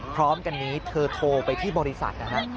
พร้อมกันนี้เธอโทรไปที่บริษัทนะฮะ